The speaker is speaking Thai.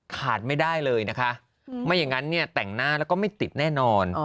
ขาดไม่ได้เลยนะคะไม่อย่างนั้นเนี่ยแต่งหน้าแล้วก็ไม่ติดแน่นอน